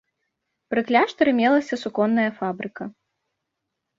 Пры кляштары мелася суконная фабрыка.